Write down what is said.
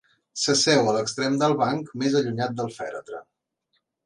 S'asseu a l'extrem del banc més allunyat del fèretre.